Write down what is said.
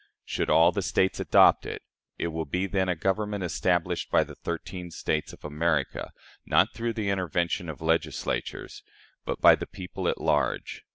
Should all the States adopt it, it will be then a government established by the thirteen States of America, not through the intervention of the Legislatures, but by the people at large.